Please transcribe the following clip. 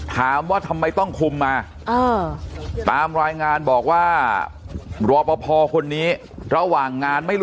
ถามว่าทำไมต้องคุมอ่ะเออตามรายงานบอกว่ารอพอพอคนนี้เวลาหว่างงานไม่รู้